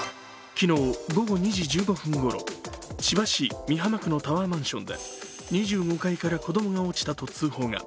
昨日午後２時１５分ごろ千葉市美浜区のタワーマンションで２５階から子供が落ちたと通報が。